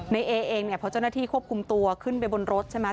เอเองเนี่ยพอเจ้าหน้าที่ควบคุมตัวขึ้นไปบนรถใช่ไหม